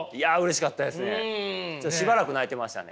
しばらく泣いてましたね。